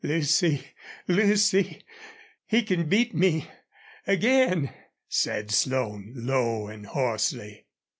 "Lucy! Lucy! ... He can beat me again!" said Slone, low and hoarsely.